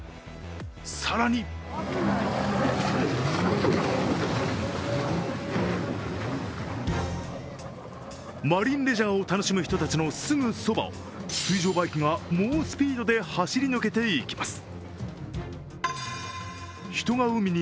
更にマリンレジャーを楽しむ人たちのすぐそばを水上バイクが猛スピードで走り抜けていきます。